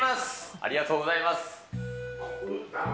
ありがとうございます。